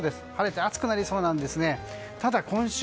晴れて暑くなりそうなんですね。